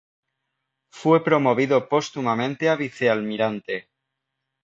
Fue promovido póstumamente a vicealmirante.